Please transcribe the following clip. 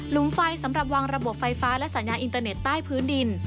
ไฟสำหรับวางระบบไฟฟ้าและสัญญาณอินเตอร์เน็ตใต้พื้นดิน